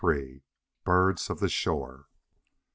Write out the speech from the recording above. BIRDS OF THE SHORE.